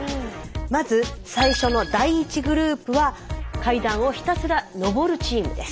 まず最初の第１グループは階段をひたすら上るチームです。